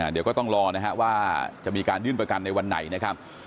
เดี๋ยวก็ต้องรอนะฮะว่าจะมีการยื่นประกันในวันไหนนะครับ